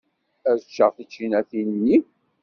Ad ččeɣ tičinatin-nni.